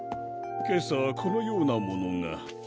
けさこのようなものが。